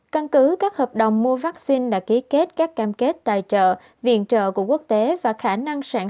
căn cứ các hợp đồng mua vaccine đã ký kết các cam kết tài trợ viện trợ của quốc tế và khả năng sản